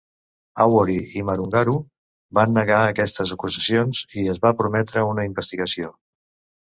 Awori i Murungaru van negar aquestes acusacions i es va prometre una investigació.